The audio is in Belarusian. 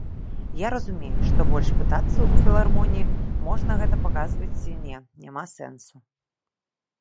Я разумею, што больш пытацца ў філармоніі, можна гэта паказваць ці не, няма сэнсу.